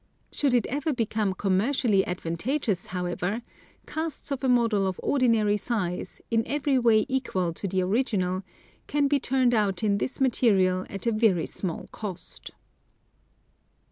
Should it ever become commercially advantageous, how ever, casts of a model of ordinary size, in every way equal to the original, can be turned out in this material at a very small cost.